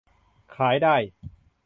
ขายได้